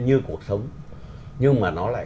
như cuộc sống nhưng mà nó lại